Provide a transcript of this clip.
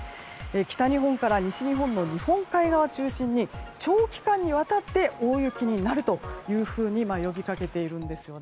北日本から西日本の日本海側を中心に長期間にわたって大雪になると呼びかけているんですね。